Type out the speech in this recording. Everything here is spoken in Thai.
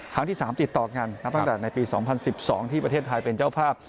ครั้งที่สามติดต่อกันนะครับตั้งแต่ในปีสองพันสิบสองที่ประเทศไทยเป็นเจ้าภาพ